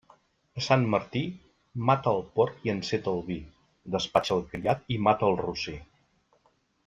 A Sant Martí, mata el porc i enceta el vi, despatxa el criat i mata el rossí.